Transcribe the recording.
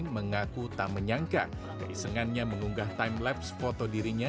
mengaku tak menyangka keisengannya mengunggah timelapse foto dirinya